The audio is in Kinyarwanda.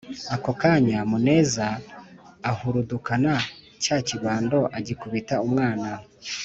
ako kanya muneza ahurudukana cya kibando agikubita umwana.